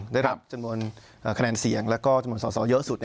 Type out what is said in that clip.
ได้รับจำนวนคะแนนเสียงแล้วก็จำนวนสอสอเยอะสุด